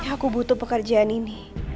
aku butuh pekerjaan ini